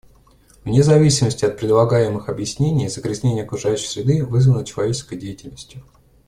Вне зависимости от предлагаемых объяснений, загрязнение окружающей среды вызвано человеческой деятельностью.